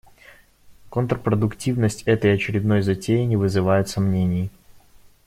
Контрпродуктивность этой очередной затеи не вызывает сомнений.